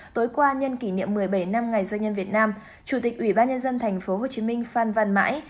tối qua nhân kỷ niệm một mươi bảy năm ngày doanh nhân việt nam chủ tịch ủy ban nhân dân tp hcm phan văn mãi